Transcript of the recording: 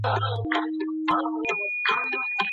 پوڅه بې مالګي نه وي.